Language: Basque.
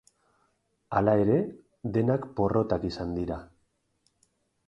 Hala ere, denak porrotak izan dira.